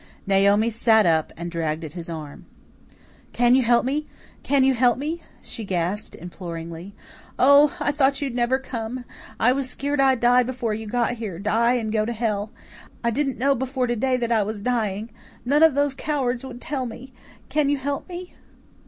Naomi sat up and dragged at his arm. "Can you help me? Can you help me?" she gasped imploringly. "Oh, I thought you'd never come! I was skeered I'd die before you got here die and go to hell. I didn't know before today that I was dying. None of those cowards would tell me. Can you help me?"